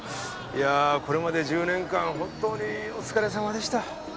いやこれまで１０年間本当にお疲れさまでした。